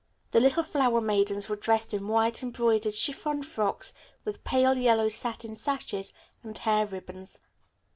The little flower maidens were dressed in white embroidered chiffon frocks with pale yellow satin sashes and hair ribbons.